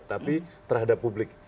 tapi terhadap publik